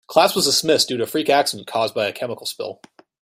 Class was dismissed due to a freak incident caused by a chemical spill.